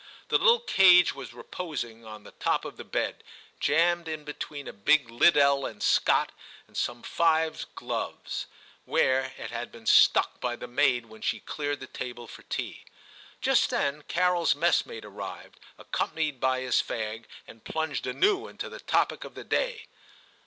The little cage was reposing on the top of the bed, jammed in between a big Liddell and Scott and some fives gloves, where it had been stuck by the maid when she cleared the table for tea. Just then Carol's messmate arrived, accom panied by his fag, and plunged anew into the topic of the day.